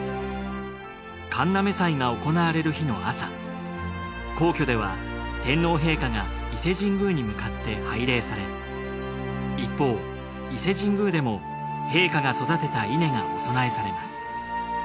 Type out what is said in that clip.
神嘗祭が行われる日の朝皇居では天皇陛下が伊勢神宮に向かって拝礼され一方伊勢神宮でも陛下が育てた稲がお供えされます。